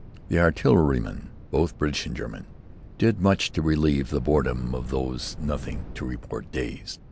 The artillerymen, both British and German, did much to relieve the boredom of those "nothing to report" days.